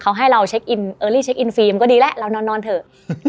เขาให้เราเช็คอินเอิอรี่เช็คอินฟรีมันก็ดีแหละเรานอนนอนเถอะ